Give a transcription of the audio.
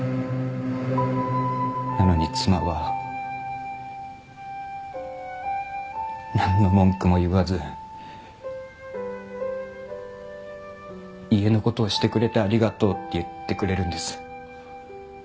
なのに妻はなんの文句も言わず家の事をしてくれてありがとうって言ってくれるんです。